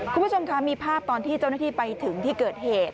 คุณผู้ชมค่ะมีภาพตอนที่เจ้าหน้าที่ไปถึงที่เกิดเหตุ